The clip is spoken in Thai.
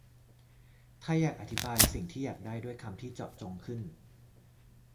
ถ้าอธิบายสิ่งที่อยากได้ด้วยคำที่เจาะจงขึ้น